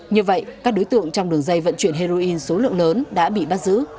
như vậy các đối tượng trong đường dây vận chuyển heroin số lượng lớn đã bị bắt giữ